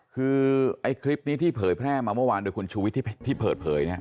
คือไอ้คลิปนี้ที่เผยแพร่มาเมื่อวานโดยคุณชูวิทย์ที่เปิดเผย